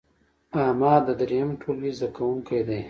احمد د دریم ټولګې زده کوونکی دی.